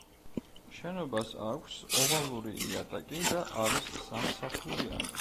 შენობას აქვს ოვალური იატაკი და არის სამ სართულიანი.